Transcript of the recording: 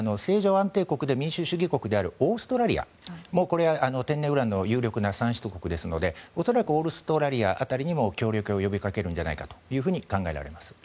安定国で民主主義国であるオーストラリアも天然ウランの有力な産出国ですので恐らくオーストラリア辺りにも協力を呼び掛けるんじゃないかと考えられます。